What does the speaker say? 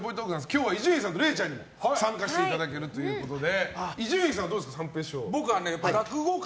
今日は伊集院さんとれいちゃんにも参加していただけるということで。